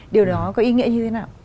điều đó có ý nghĩa như thế nào